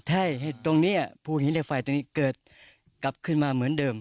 ให้ตรงนี้ภูหินเหล็กไฟตรงนี้เกิดกลับขึ้นมาเหมือนเดิม